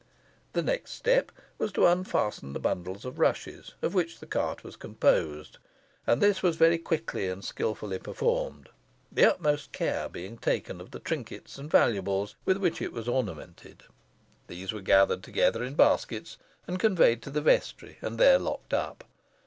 The next step was to unfasten the bundles of rushes, of which the cart was composed, and this was very quickly and skilfully performed, the utmost care being taken of the trinkets and valuables with which it was ornamented. These were gathered together in baskets and conveyed to the vestry, and there locked up.